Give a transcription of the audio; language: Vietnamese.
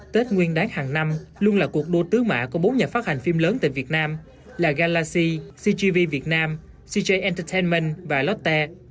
tết nguyên đáng hàng năm luôn là cuộc đua tứ mã của bốn nhà phát hành phim lớn tại việt nam là galaxy cgv việt nam cjitamine và lotte